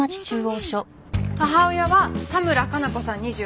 母親は多村加奈子さん２８歳。